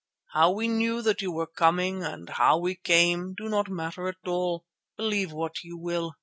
How we knew that you were coming and how we came do not matter at all. Believe what you will.